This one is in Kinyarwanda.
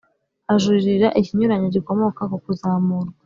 ajuririra ikinyuranyo gikomoka kukuzamurwa